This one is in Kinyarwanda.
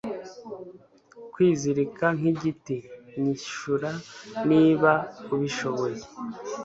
kwizirika nkigiti nyishura niba ubishoboye